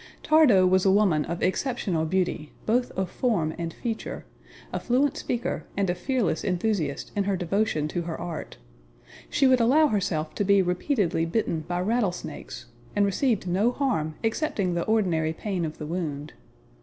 Thardo was a woman of exceptional beauty, both of form and feature, a fluent speaker and a fearless enthusiast in her devotion to her art. She would allow herself to be repeatedly bitten by rattle snakes and received no harm excepting the ordinary pain of the wound.